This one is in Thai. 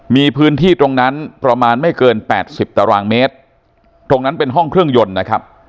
มีพื้นที่ตรงนั้นประมาณไม่เกินแปดสิบตารางเมตรตรงนั้นเป็นห้องเครื่องยนต์นะครับ